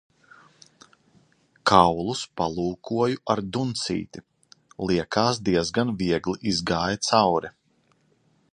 Kaulus palūkoju ar duncīti, liekās diezgan viegli izgāja cauri.